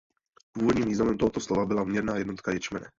Původním významem tohoto slova byla měrná jednotka ječmene.